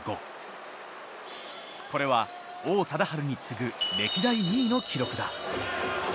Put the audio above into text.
これは王貞治に次ぐ歴代２位の記録だ。